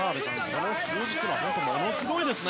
この数字というのは本当にものすごいですね。